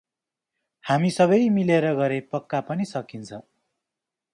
हामी सबै मिलेर गरे पक्का पनि सकिन्छ ।